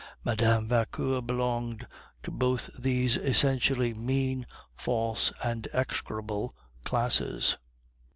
Mme. Vauquer belonged to both these essentially mean, false, and execrable classes.